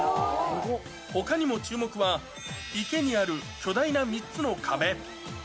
ほかにも注目は、池にある巨大な３つの壁。